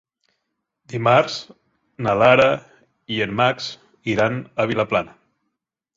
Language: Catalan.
Dimarts na Lara i en Max iran a Vilaplana.